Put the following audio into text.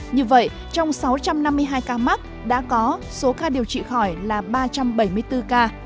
như vậy trong sáu trăm năm mươi hai ca mắc đã có số ca điều trị khỏi là ba trăm bảy mươi bốn ca